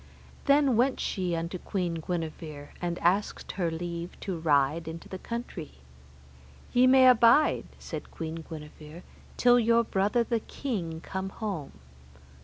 Then she went unto Queen Guenever, and asked her leave to ride into the country. Ye may abide, said Queen Guenever, till your brother the king come home.